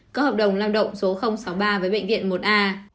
có hợp đồng lao động số sáu mươi ba với bệnh viện một a